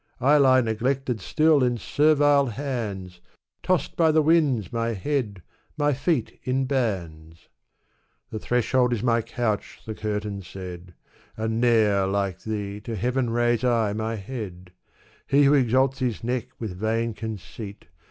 I lie neglected still in servile hands. Tossed by the winds my head, my feet in bands." "The threshold is my couch," the curtain said, " And ne'er, like thee, to heaven raise I my head : He who exalts his neck with vain conceit.